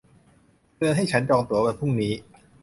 เตือนฉันให้จองตั๋ววันพรุ่งนี้